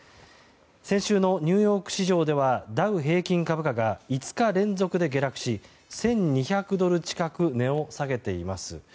先週のニューヨーク市場ではダウ平均株価が５日連続で下落し１２００ドル近く値を下げています。